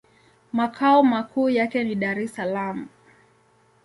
Makao makuu yake ni Dar-es-Salaam.